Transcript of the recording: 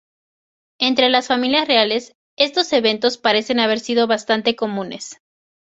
Entre las familias reales, estos eventos parecen haber sido bastante comunes.